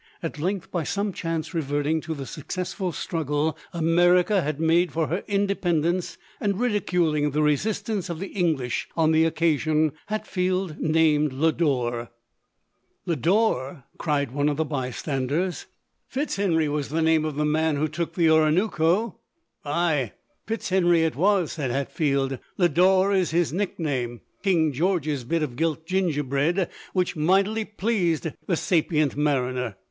At length, by some chance revert ing to the successful struogle America had made for her independence, and ridiculing the resistance of the English on the occasion, Hat field named Lodore. "Lodore!" cried one of the by standers; '258 LODORE. " Fitzhenry was the name of the man who took the Oronooko.' 1 " Aye, Fitzhenry it was," said Hatfield, " Lodore is liis nickname. King George's bit of gilt gingerbread, which mightily pleased the sapient mariner.